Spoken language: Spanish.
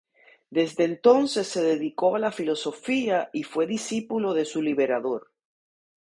Desde entonces se dedicó a la filosofía y fue discípulo de su liberador.